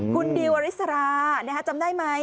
คุณดิวอริสราจำได้ไหม